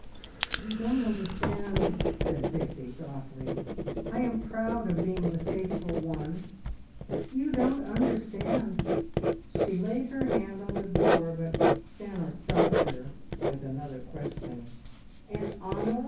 "You don't understand," said Pixie softly. "I am proud of being the faithful one! You don't understand..." She laid her hand on the door, but Stanor stopped her with another question "And Honor?